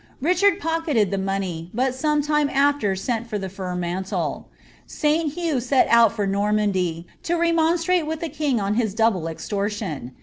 Kichard poA eted Uie money, but some time aller sent for ilie fur mantle Sl. Hath set out for Normandy, to remonstrate with the king on this double ei tortion.